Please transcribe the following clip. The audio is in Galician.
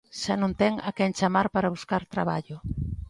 Xa non ten a quen chamar para buscar traballo.